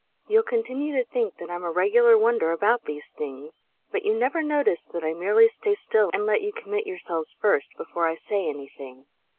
You'll continue to think that I'm a regular wonder about these things, but you never notice that I merely stay still and let you commit yourselves first before I say anything.